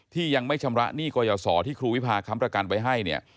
ที่ยังไม่ชำระหนี้กรยาศรที่ครูวิพาค้ำประกันไว้ให้เนี่ย